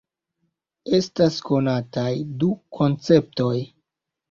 Estas konataj du konceptoj.